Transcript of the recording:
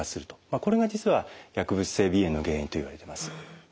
これが実は薬物性鼻炎の原因といわれてます。